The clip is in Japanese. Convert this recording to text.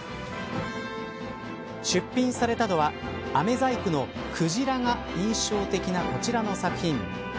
出品されたのはあめ細工のクジラが印象的なこちらの作品。